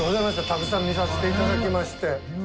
たくさん見させて頂きまして。